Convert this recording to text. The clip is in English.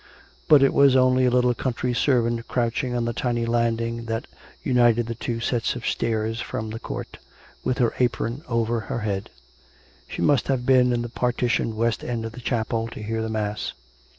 But it was only a little country servant crouching on the tiny landing that united the two sets of stairs from the courts with her apron over her head: she must have been in the partitioned west end of the chapel to hear the mass.